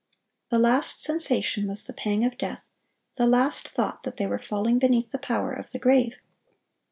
The last sensation was the pang of death, the last thought that they were falling beneath the power of the grave.